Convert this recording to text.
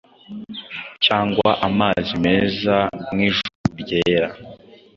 cyangwa amazi meza nkijuru ryera